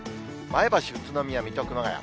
前橋、宇都宮、水戸、熊谷。